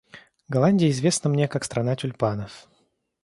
Голландия известна мне, как страна тюльпанов.